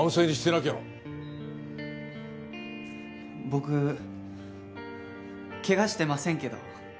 僕怪我してませんけど。